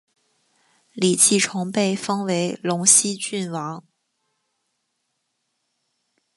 李继崇被封为陇西郡王。